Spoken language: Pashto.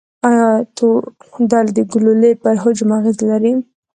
ایا تودول د ګلولې پر حجم اغیزه لري؟